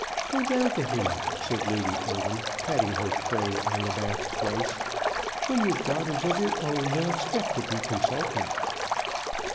"Go down to him," said Lady Eardham, patting her prey on the back twice. "When you've daughters of your own, you'll expect to be consulted."